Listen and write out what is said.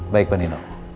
baik pak nino